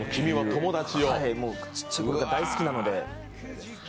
ちっちゃいころから大好きなので。